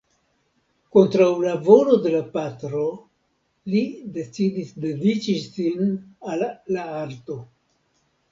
Kontraŭ la volo de la patro, li decidis dediĉi sin al la arto.